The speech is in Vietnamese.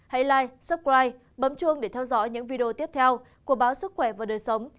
hãy like subscribe bấm chuông để theo dõi những video tiếp theo của báo sức khỏe và đời sống